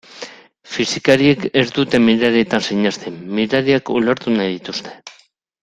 Fisikariek ez dute mirarietan sinesten, mirariak ulertu nahi dituzte.